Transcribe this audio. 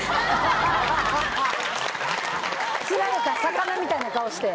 釣られた魚みたいな顔して。